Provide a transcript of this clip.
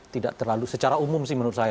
tidak terlalu secara umum sih menurut saya